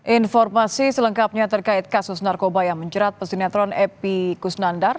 informasi selengkapnya terkait kasus narkoba yang menjerat pesinetron epi kusnandar